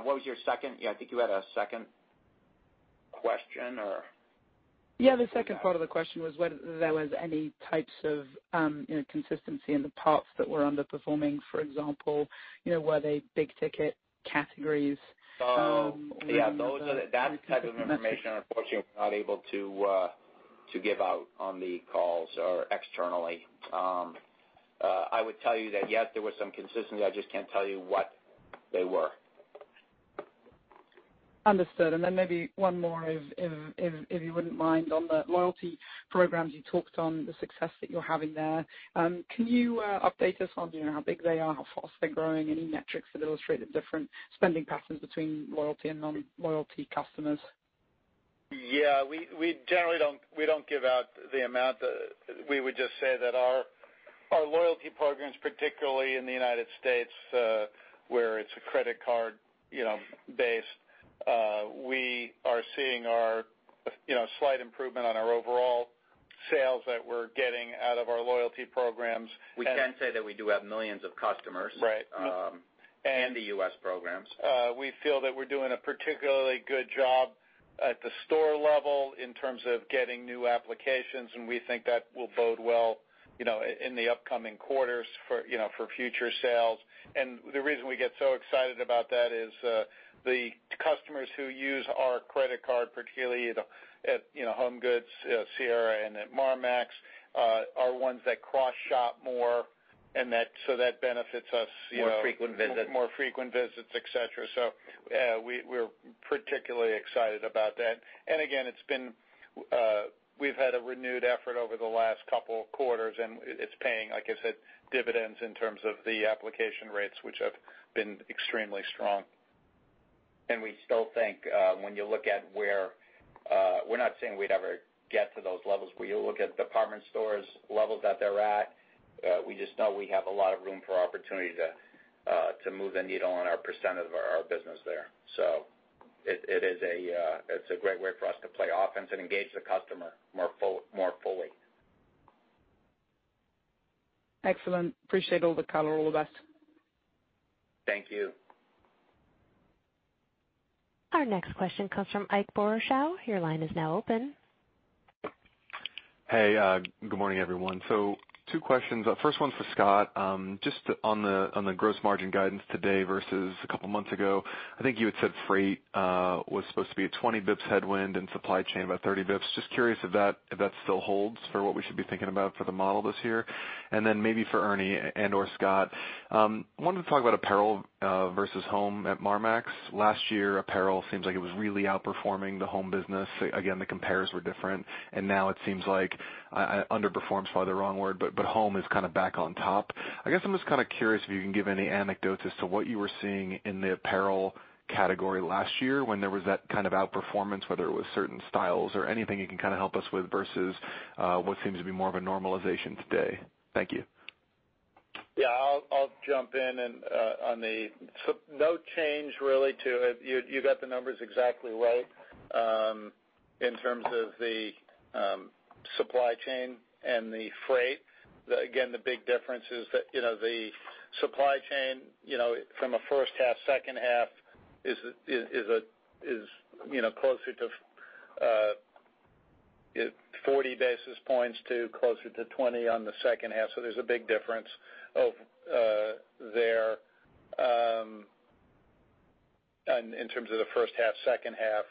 [SPEAKER 2] What was your second? I think you had a second question, or
[SPEAKER 10] Yeah, the second part of the question was whether there was any types of consistency in the parts that were underperforming. For example, were they big-ticket categories?
[SPEAKER 2] That type of information, unfortunately, we're not able to give out on the calls or externally. I would tell you that, yes, there was some consistency. I just can't tell you what they were.
[SPEAKER 10] Understood. Maybe one more, if you wouldn't mind, on the loyalty programs. You talked on the success that you're having there. Can you update us on how big they are, how fast they're growing, any metrics that illustrate the different spending patterns between loyalty and non-loyalty customers?
[SPEAKER 4] Yeah. We don't give out the amount. We would just say that our loyalty programs, particularly in the U.S., where it's a credit card base, we are seeing slight improvement on our overall sales that we're getting out of our loyalty programs.
[SPEAKER 2] We can say that we do have millions of customers.
[SPEAKER 4] Right.
[SPEAKER 2] The U.S. programs.
[SPEAKER 4] We feel that we're doing a particularly good job at the store level in terms of getting new applications. We think that will bode well in the upcoming quarters for future sales. The reason we get so excited about that is the customers who use our credit card, particularly at HomeGoods, Sierra, and at Marmaxx, are ones that cross-shop more. So that benefits us.
[SPEAKER 2] More frequent visit.
[SPEAKER 4] More frequent visits, et cetera. We're particularly excited about that. Again, we've had a renewed effort over the last couple of quarters, and it's paying, like I said, dividends in terms of the application rates, which have been extremely strong.
[SPEAKER 2] We still think, when you look at where, we're not saying we'd ever get to those levels, where you look at department stores levels that they're at, we just know we have a lot of room for opportunity to move the needle on our percent of our business there. It's a great way for us to play offense and engage the customer more fully.
[SPEAKER 10] Excellent. Appreciate all the color, Walvis.
[SPEAKER 2] Thank you.
[SPEAKER 1] Our next question comes from Ike Boruchow. Your line is now open.
[SPEAKER 11] Two questions. First one's for Scott, just on the gross margin guidance today versus a couple of months ago. I think you had said freight was supposed to be a 20 basis points headwind and supply chain about 30 basis points. Just curious if that still holds for what we should be thinking about for the model this year. Then maybe for Ernie and/or Scott, wanted to talk about apparel versus home at Marmaxx. Last year, apparel seems like it was really outperforming the home business. Again, the compares were different, and now it seems like, underperformed is probably the wrong word, but home is kind of back on top. I guess I'm just kind of curious if you can give any anecdotes as to what you were seeing in the apparel category last year when there was that kind of outperformance, whether it was certain styles or anything you can kind of help us with versus what seems to be more of a normalization today. Thank you.
[SPEAKER 4] Yeah, I'll jump in. No change, really to it. You got the numbers exactly right. In terms of the supply chain and the freight, again, the big difference is that the supply chain from a first half, second half is closer to 40 basis points to closer to 20 on the second half. There's a big difference there. In terms of the first half, second half,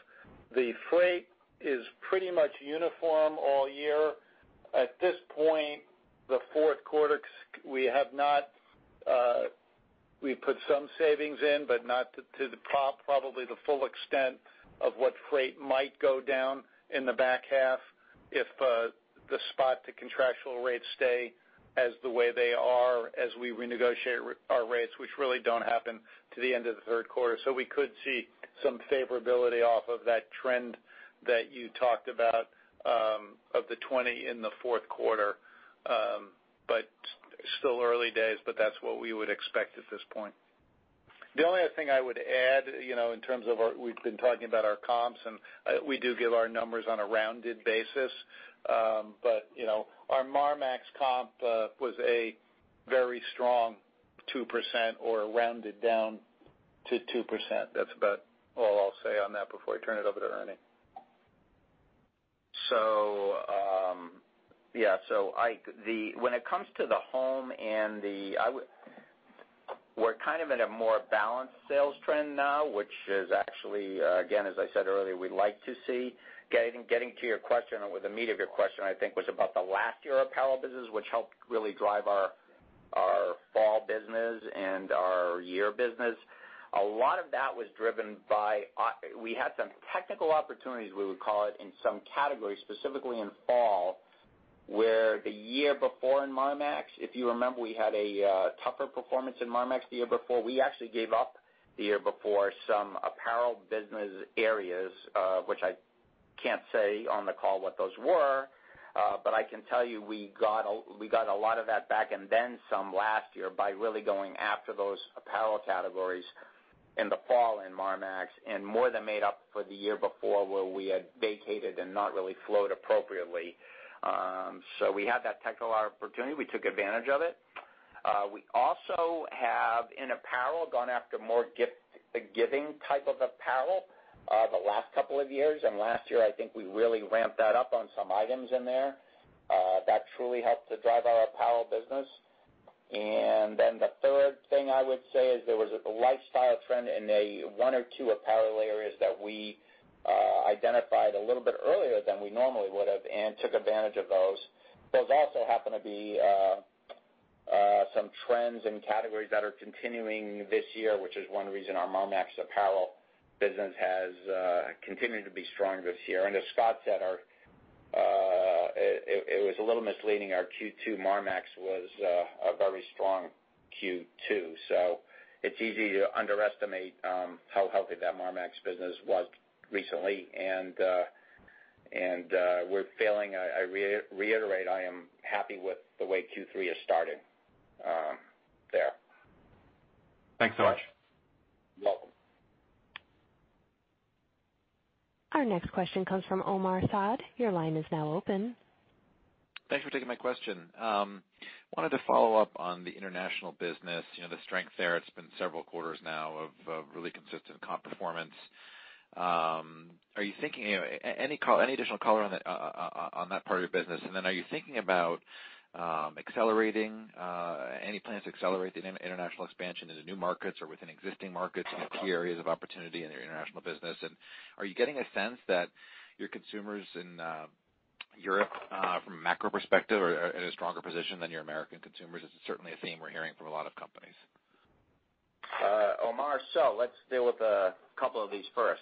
[SPEAKER 4] the freight is pretty much uniform all year. At this point, the fourth quarter, we put some savings in, but not to probably the full extent of what freight might go down in the back half if the spot to contractual rates stay as the way they are as we renegotiate our rates, which really don't happen to the end of the third quarter. We could see some favorability off of that trend that you talked about, of the 20% in the fourth quarter. Still early days, but that's what we would expect at this point. The only other thing I would add, in terms of what we've been talking about our comps, and we do give our numbers on a rounded basis. Our Marmaxx comp was a very strong 2% or rounded down to 2%. That's about all I'll say on that before I turn it over to Ernie.
[SPEAKER 2] Yeah. Ike, when it comes to the home and we're kind of in a more balanced sales trend now, which is actually, again, as I said earlier, we'd like to see. Getting to your question or the meat of your question, I think was about the last year apparel business, which helped really drive our fall business and our year business. A lot of that was driven by, we had some technical opportunities, we would call it, in some categories, specifically in fall, where the year before in Marmaxx, if you remember, we had a tougher performance in Marmaxx the year before. We actually gave up the year before some apparel business areas, which I can't say on the call what those were. I can tell you, we got a lot of that back and then some last year by really going after those apparel categories in the fall in Marmaxx, and more than made up for the year before where we had vacated and not really flowed appropriately. We had that technical opportunity. We took advantage of it. We also have, in apparel, gone after more gift-giving type of apparel the last couple of years. Last year, I think we really ramped that up on some items in there. That truly helped to drive our apparel business. The third thing I would say is there was a lifestyle trend in 1 or 2 apparel areas that we identified a little bit earlier than we normally would have and took advantage of those. Those also happen to be some trends and categories that are continuing this year, which is one reason our Marmaxx apparel business has continued to be strong this year. As Scott said, it was a little misleading. Our Q2 Marmaxx was a very strong Q2. It's easy to underestimate how healthy that Marmaxx business was recently. I reiterate, I am happy with the way Q3 has started there.
[SPEAKER 11] Thanks so much.
[SPEAKER 2] You're welcome.
[SPEAKER 1] Our next question comes from Omar Saad. Your line is now open.
[SPEAKER 12] Thanks for taking my question. Wanted to follow up on the international business, the strength there. It's been several quarters now of really consistent comp performance. Any additional color on that part of your business, and then are you thinking about accelerating, any plans to accelerate the international expansion into new markets or within existing markets? Any key areas of opportunity in your international business, and are you getting a sense that your consumers in Europe from a macro perspective are at a stronger position than your American consumers. This is certainly a theme we're hearing from a lot of companies.
[SPEAKER 2] Omar, let's deal with a couple of these first.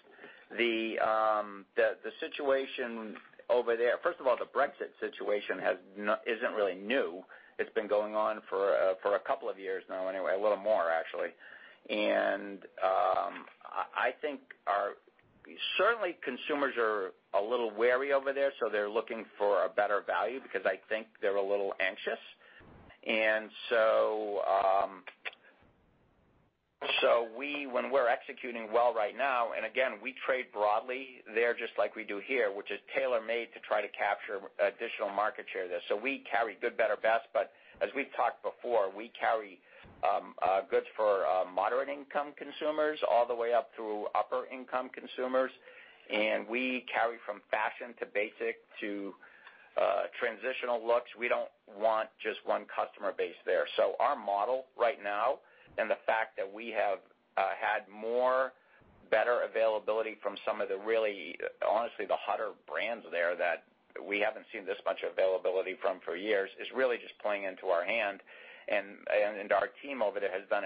[SPEAKER 2] First of all, the Brexit situation isn't really new. It's been going on for a couple of years now anyway, a little more actually. I think certainly consumers are a little wary over there, so they're looking for a better value because I think they're a little anxious. When we're executing well right now, and again, we trade broadly there just like we do here, which is tailor-made to try to capture additional market share there. We carry good, better, best, but as we've talked before, we carry goods for moderate-income consumers all the way up through upper-income consumers, and we carry from fashion to basic to transitional looks. We don't want just one customer base there. Our model right now and the fact that we have had more, better availability from some of the really, honestly, the hotter brands there that we haven't seen this much availability from for years, is really just playing into our hand. Our team over there has done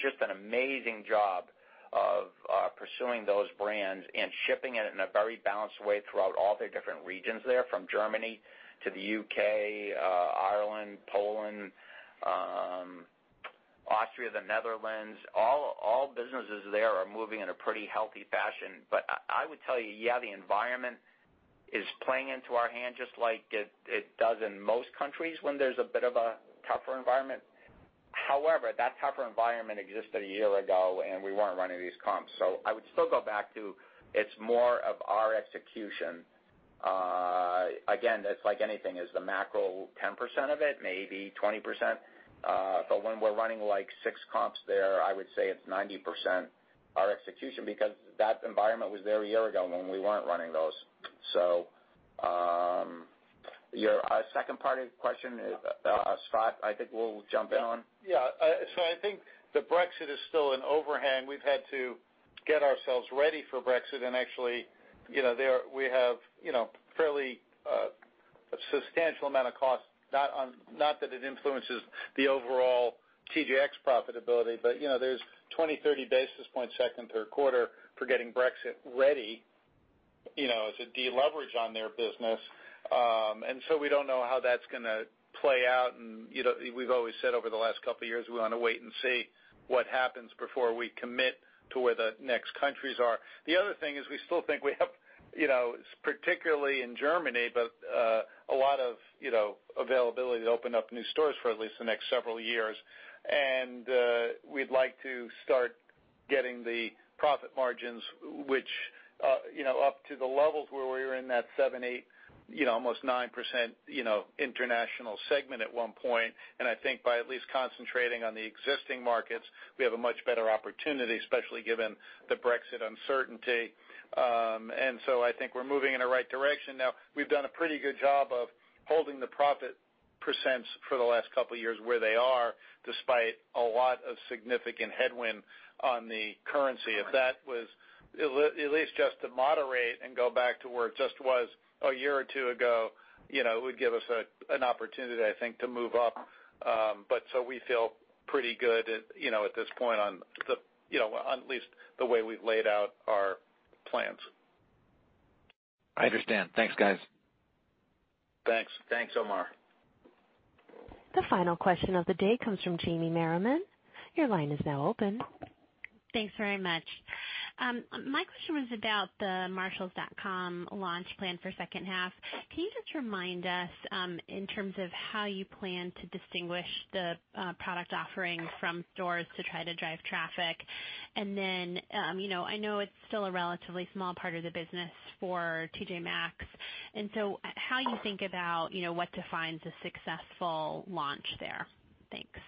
[SPEAKER 2] just an amazing job of pursuing those brands and shipping it in a very balanced way throughout all the different regions there, from Germany to the U.K., Ireland, Poland, Austria, the Netherlands. All businesses there are moving in a pretty healthy fashion. I would tell you, yeah, the environment is playing into our hand just like it does in most countries when there's a bit of a tougher environment. However, that tougher environment existed a year ago, and we weren't running these comps. I would still go back to, it's more of our execution. Again, it's like anything. Is the macro 10% of it? Maybe 20%. When we're running six comps there, I would say it's 90% our execution because that environment was there a year ago when we weren't running those. Your second part of the question, Scott, I think we'll jump in on.
[SPEAKER 4] Yeah. I think the Brexit is still an overhang. We've had to get ourselves ready for Brexit and actually we have fairly a substantial amount of cost, not that it influences the overall TJX profitability, but there's 20, 30 basis points second, third quarter for getting Brexit ready, as a deleverage on their business. We don't know how that's gonna play out. We've always said over the last couple of years, we want to wait and see what happens before we commit to where the next countries are. The other thing is we still think we have, particularly in Germany, but a lot of availability to open up new stores for at least the next several years. We'd like to start getting the profit margins, up to the levels where we were in that 7%, 8%, almost 9% international segment at one point. I think by at least concentrating on the existing markets, we have a much better opportunity, especially given the Brexit uncertainty. I think we're moving in the right direction now. We've done a pretty good job of holding the profit % for the last couple of years where they are, despite a lot of significant headwind on the currency. If that was at least just to moderate and go back to where it just was a year or two ago, it would give us an opportunity, I think, to move up. We feel pretty good at this point on at least the way we've laid out our plans.
[SPEAKER 12] I understand. Thanks, guys.
[SPEAKER 4] Thanks.
[SPEAKER 2] Thanks, Omar.
[SPEAKER 1] The final question of the day comes from Jamie Merriman. Your line is now open.
[SPEAKER 13] Thanks very much. My question was about the marshalls.com launch plan for second half. Can you just remind us, in terms of how you plan to distinguish the product offering from stores to try to drive traffic? I know it's still a relatively small part of the business for TJ Maxx, and so how you think about what defines a successful launch there? Thanks.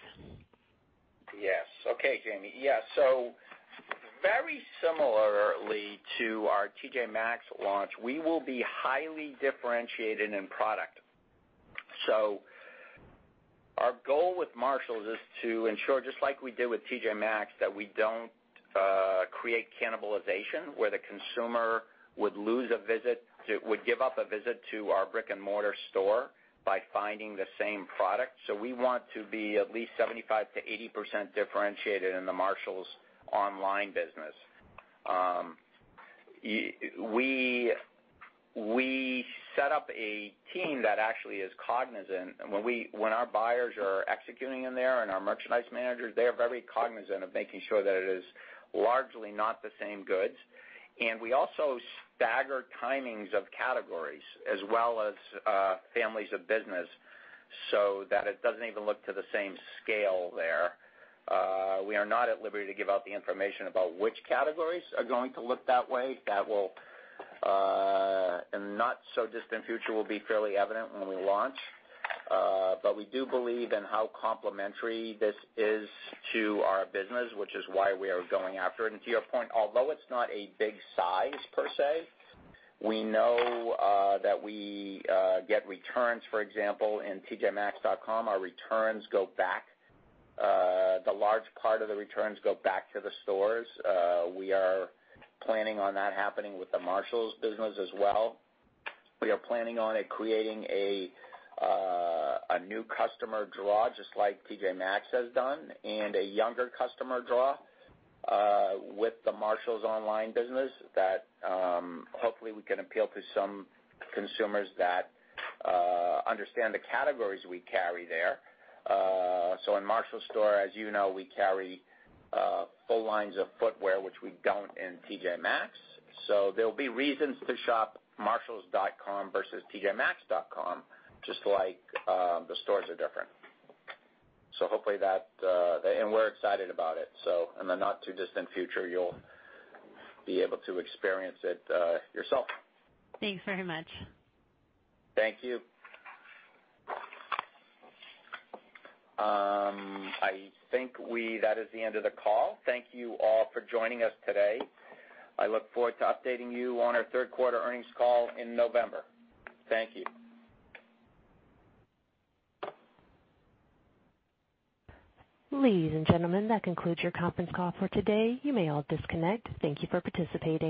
[SPEAKER 2] Yes. Okay, Jamie. Yeah. Very similarly to our TJ Maxx launch, we will be highly differentiated in product. Our goal with Marshalls is to ensure, just like we did with TJ Maxx, that we don't create cannibalization where the consumer would give up a visit to our brick-and-mortar store by finding the same product. We want to be at least 75%-80% differentiated in the Marshalls online business. We set up a team that actually is cognizant. When our buyers are executing in there and our merchandise managers, they are very cognizant of making sure that it is largely not the same goods. We also stagger timings of categories as well as families of business so that it doesn't even look to the same scale there. We are not at liberty to give out the information about which categories are going to look that way. That will, in the not so distant future, will be fairly evident when we launch. We do believe in how complementary this is to our business, which is why we are going after it. To your point, although it's not a big size per se, we know that we get returns, for example, in tjmaxx.com, the large part of the returns go back to the stores. We are planning on that happening with the Marshalls business as well. We are planning on it creating a new customer draw, just like TJ Maxx has done, and a younger customer draw with the Marshalls online business that hopefully we can appeal to some consumers that understand the categories we carry there. In Marshalls store, as you know, we carry full lines of footwear, which we don't in TJ Maxx. There'll be reasons to shop marshalls.com versus tjmaxx.com, just like the stores are different. We're excited about it. In the not too distant future, you'll be able to experience it yourself.
[SPEAKER 13] Thanks very much.
[SPEAKER 2] Thank you. I think that is the end of the call. Thank you all for joining us today. I look forward to updating you on our third quarter earnings call in November. Thank you.
[SPEAKER 1] Ladies and gentlemen, that concludes your conference call for today. You may all disconnect. Thank you for participating.